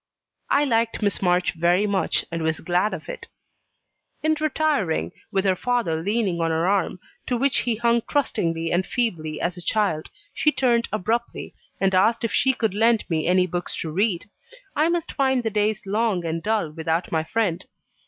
I liked Miss March very much, and was glad of it. In retiring, with her father leaning on her arm, to which he hung trustingly and feebly as a child, she turned abruptly, and asked if she could lend me any books to read? I must find the days long and dull without my friend.